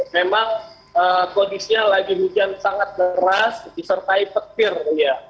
memang kondisinya lagi hujan sangat beras disertai petir iya